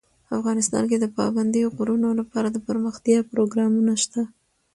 افغانستان کې د پابندي غرونو لپاره دپرمختیا پروګرامونه شته.